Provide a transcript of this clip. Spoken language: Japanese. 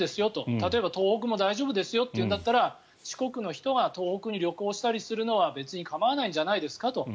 例えば、東北も大丈夫ですよというんだったら四国の人が東北に旅行したりするのは別に構わないんじゃないですかと。